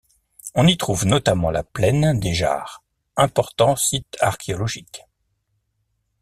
On y trouve notamment la Plaine des Jarres, important site archéologique.